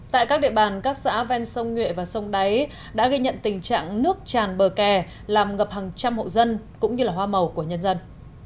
tại các địa bàn các xã ven sông nhuệ và sông đáy đã gây nhận tình trạng nước tràn bờ kè làm ngập hàng trăm hộ dân